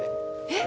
え？